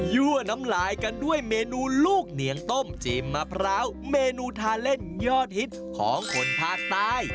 ั่วน้ำลายกันด้วยเมนูลูกเหนียงต้มจิมมะพร้าวเมนูทาเล่นยอดฮิตของคนภาคใต้